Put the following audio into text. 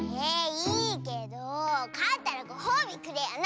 いいけどかったらごほうびくれよな！